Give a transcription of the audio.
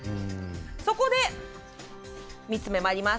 そこで、３つ目まいります。